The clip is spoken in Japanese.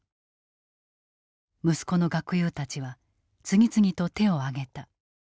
息子の学友たちは次々と手を挙げた。